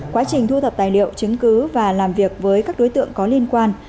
quá trình thu thập tài liệu chứng cứ và làm việc với các đối tượng có liên quan